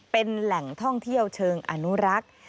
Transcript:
เป็นแหล่งท่องเที่ยวเชิงอนุรักษ์